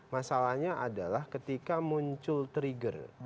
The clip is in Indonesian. masalahnya adalah ketika muncul trigger